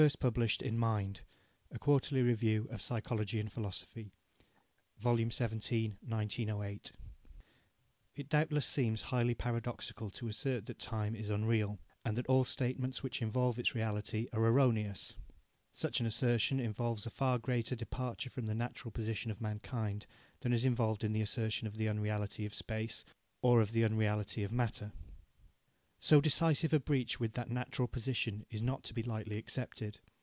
Published in Mind: A Quarterly Review of Psychology and Philosophy 17 (1908): 456 473. 10358The Unreality of Time1908John McTaggart Ellis McTaggart It doubtless seems highly paradoxical to assert that Time is unreal, and that all statements which involve its reality are erroneous. Such an assertion involves a far greater departure from the natural position of mankind than is involved in the assertion of the unreality of Space or of the unreality of Matter. So decisive a breach with that natural position is not to be lightly accepted.